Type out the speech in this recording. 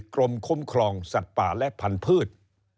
กรมคุ้มครองสัตว์ป่าและพันธุ์